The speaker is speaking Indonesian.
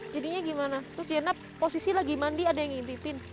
jadinya gimana terus jenab posisi lagi mandi ada yang ngintipin